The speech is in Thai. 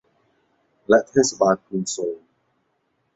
และเทศบาลกรุงโซล